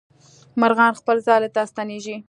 مرغان خپل ځالې ته ستنېږي.